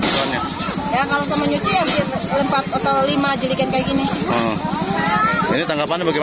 alhamdulillah terima kasih banget